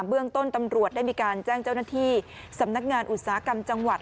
เบื้องต้นตำรวจได้มีการแจ้งเจ้าหน้าที่สำนักงานอุตสาหกรรมจังหวัด